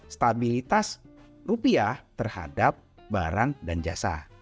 stabilitas rupiah terhadap barang dan jasa